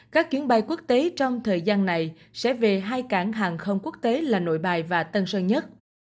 các chuyến bay quốc tế trong thời gian này sẽ về hai cảng hàng không quốc tế là nội bài và tân sơn nhất